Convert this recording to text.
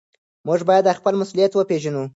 موږ بايد خپل مسؤليت وپېژنو.